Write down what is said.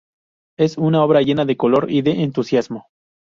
Es una obra llena de color y de entusiasmo.